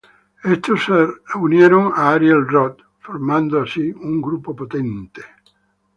Estos se unieron a Ariel Rot formando así un grupo potente.